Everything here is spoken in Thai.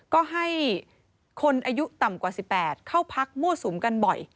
ก็ให้คนอายุต่ำกว่า๑๘เข้าพักมั่วสุมกันบ่อย